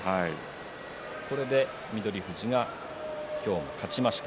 これで翠富士が今日も勝ちました。